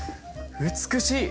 美しい。